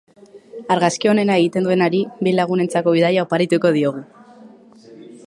Argazki onena egiten duenari bi lagunentzako bidaia oparituko diogu.